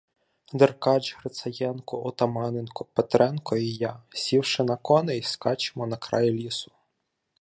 Деркач, Грицаєнко, Отаманенко, Петренко і я, сівши на коней, скачемо на край лісу.